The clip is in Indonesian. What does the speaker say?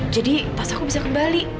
jadi tas aku bisa kembali